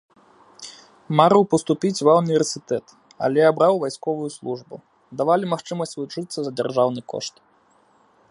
Марыў паступіць ва ўніверсітэт, але абраў вайсковую службу, давалі магчымасць вучыцца за дзяржаўны кошт.